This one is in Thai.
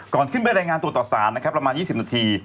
ก่อนขึ้นไปรายงานตัวต่อสารประมาณ๒๐นาที